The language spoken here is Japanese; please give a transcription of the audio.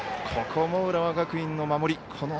ここも浦和学院の守り